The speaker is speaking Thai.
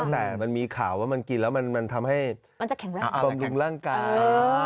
แต่มันมีข่าวว่ามันกินแล้วมันทำให้บำรุงร่างกาย